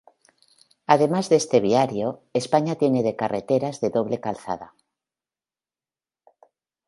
Además de este viario, España tiene de carreteras de doble calzada.